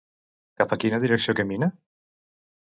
Cap a quina direcció camina?